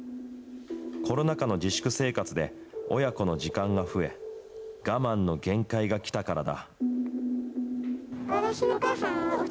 コロナ禍の自粛生活で、親子の時間が増え、我慢の限界が来たからだ。